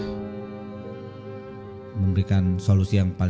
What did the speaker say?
dan memberikan solusi yang berharga